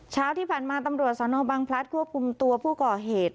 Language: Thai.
เช้าที่ผ่านมาตำรวจสนบังพลัดควบคุมตัวผู้ก่อเหตุ